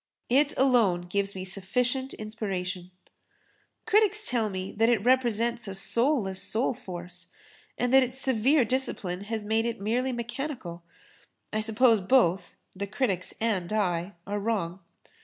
It alone gives me sufficient inspiration. Critics tell me that it represents a soulless soul force and that its severe discipline has made it merely mechanical. I suppose both—the critics and I—are wrong.